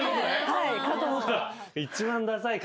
はい。